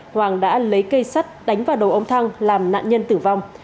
hoàng đã lấy cây sắt đánh vào đầu ông thăng làm nạn nhân tử vong